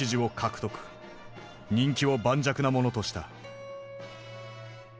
人気を盤石なものとした。